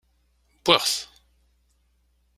Wwiɣ-t.